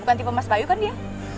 bukan tipe mas bayu kan ya